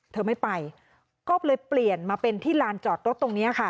เธอไม่ไปก็เลยเปลี่ยนมาเป็นที่ลานจอดรถตรงนี้ค่ะ